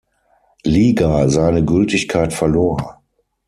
Liga seine Gültigkeit verlor.